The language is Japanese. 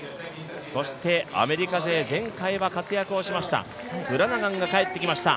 そしてアメリカ勢、前回は活躍をしました選手が帰ってきました。